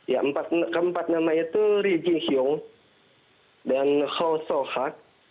ya keempat nama itu ri ji hyun dan ho song hak